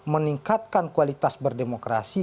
meningkatkan kualitas berdemokrasi